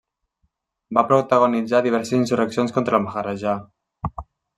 Va protagonitzar diverses insurreccions contra el Maharajà.